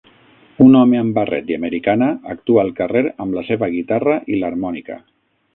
Un home amb barret i americana actua al carrer amb la seva guitarra i l'harmònica.